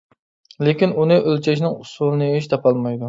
لېكىن ئۇنى ئۆلچەشنىڭ ئۇسۇلىنى ھېچ تاپالمايدۇ.